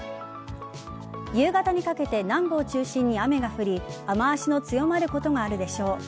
夕方にかけて南部を中心に雨が降り雨足の強まることがあるでしょう。